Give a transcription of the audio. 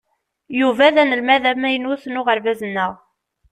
Yuba d anelmad amaynut n uɣerbaz-nneɣ.